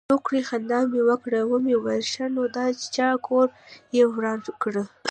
زورکي خندا مې وکړه ومې ويل ښه نو د چا کور يې وران کړى.